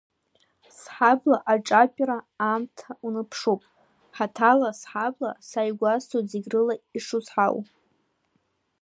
Сҳабла, аҿатәра аамҭа уныԥшуп хаҭала, сҳабла, са игәасҭоит зегь рыла ишузҳау.